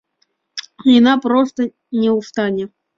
Яна проста не ў стане.